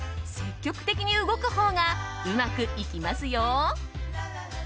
積極的に動くほうがうまくいきますよ。